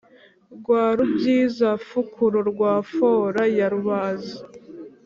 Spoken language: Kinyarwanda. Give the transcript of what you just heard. rwa rubyiza-fukuro rwa fora ya rubazi